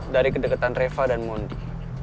dari kedekatan reva dan mondi